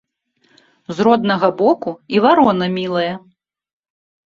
З роднага боку і варона мілая